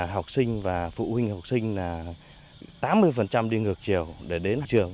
học sinh và phụ huynh học sinh là tám mươi đi ngược chiều để đến trường